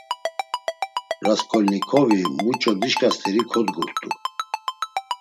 Rasǩolnikovi muç̌o dişǩa st̆eri kodgurt̆u.